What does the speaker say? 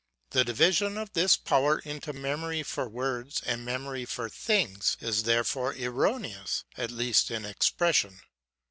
The division of this power into memory for words and memory for things, is, therefore, erroneous, at least in expression.